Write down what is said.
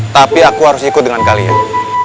tapi aku harus ikut dengan kalian